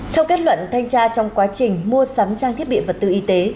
theo kết luận thanh tra trong quá trình mua sắm trang thiết bị vật tư y tế